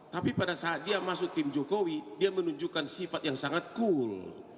tapi pada saat dia masuk tim jokowi dia menunjukkan sifat yang sangat cool